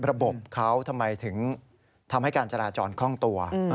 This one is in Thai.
ระบบเขาทำไมถึงทำให้การจราจรคล่องตัว